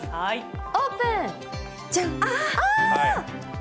オープン。